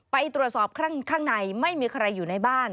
ไปตรวจสอบข้างในไม่มีใครอยู่ในบ้าน